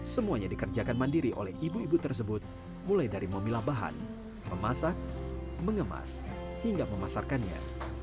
semuanya dikerjakan mandiri oleh ibu ibu tersebut mulai dari memilah bahan memasak mengemas hingga memasarkannya